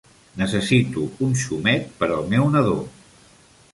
Necessito un xumet per al meu nadó.